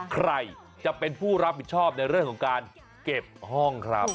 ใครจะเป็นผู้รับผิดชอบในเรื่องของการเก็บห้องครับ